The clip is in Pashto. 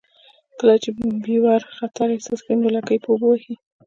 کله چې بیور خطر احساس کړي نو لکۍ په اوبو وهي